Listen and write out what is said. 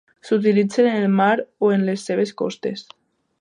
S'utilitzen en el mar o en les seves costes.